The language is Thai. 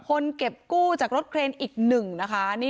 คนเก็บกู้จากรถเครนอีกหนึ่งนะคะ